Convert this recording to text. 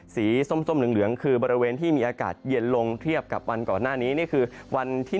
ส้มเหลืองคือบริเวณที่มีอากาศเย็นลงเทียบกับวันก่อนหน้านี้นี่คือวันที่